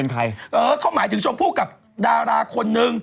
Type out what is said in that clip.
เขาหมายถึงชมพู่กับดาราคนนึง